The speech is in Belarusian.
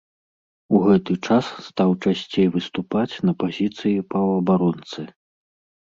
У гэты час стаў часцей выступаць на пазіцыі паўабаронцы.